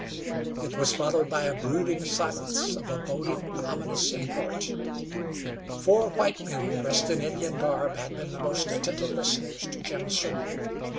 It was followed by a brooding silence of a boding, ominous import. Four white men, dressed in Indian garb, had been the most attentive listeners to Jim's sermon.